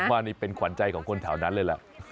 ว่านี่เป็นขวัญใจของคนแถวนั้นเลยล่ะ